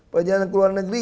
perjalanan ke luar negeri